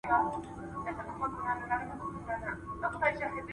زړه به دي خوشاله وي .